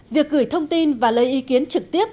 việc gửi thông tin và lấy ý kiến trực tiếp